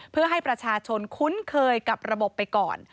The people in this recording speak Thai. เพื่อให้ประชาชนคุ้นเคยกับระบบไปก่อน